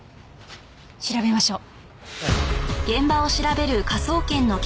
調べましょう。